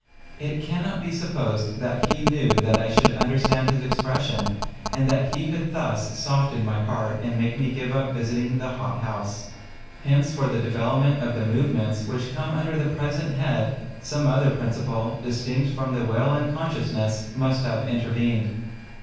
It cannot be supposed that he knew that I should understand his expression, and that he could thus soften my heart and make me give up visiting the hot house. Hence for the development of the movements which come under the present head, some other principle, distinct from the will and consciousness, must have intervened.